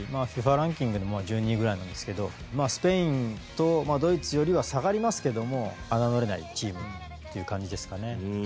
ランキングでも１２位ぐらいなんですけどスペインとドイツよりは下がりますけども侮れないチームという感じですかね。